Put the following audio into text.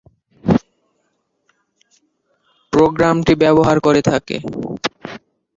প্রোগ্রামটি ব্যবহার করে থাকে।